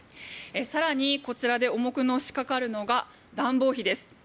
更にこちらで重くのしかかるのが暖房費です。